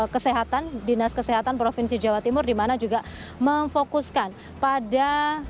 kesehatan dinas kesehatan provinsi jawa timur dimana juga memfokuskan pada